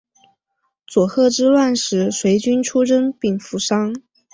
佐贺之乱时随军出征并负伤。